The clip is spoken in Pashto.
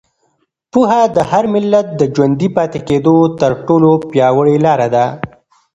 پوهه د هر ملت د ژوندي پاتې کېدو تر ټولو پیاوړې لاره ده.